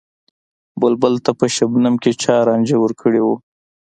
بلبل ته په شبنم کــــې چا رانجه ور کـــړي وو